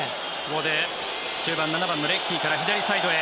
ここで中盤７番のレッキーから左サイドへ。